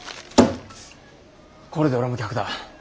これで俺も客だ。